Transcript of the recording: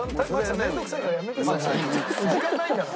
時間ないんだから。